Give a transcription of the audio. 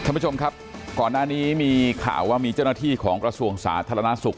ท่านผู้ชมครับก่อนหน้านี้มีข่าวว่ามีเจ้าหน้าที่ของกระทรวงสาธารณสุข